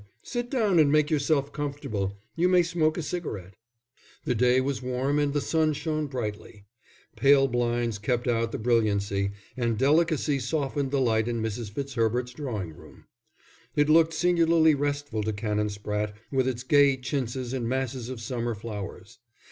"Sit down and make yourself comfortable. You may smoke a cigarette." The day was warm and the sun shone brightly. Pale blinds kept out the brilliancy, and delicately softened the light in Mrs. Fitzherbert's drawing room. It looked singularly restful to Canon Spratte with its gay chintzes and masses of summer flowers.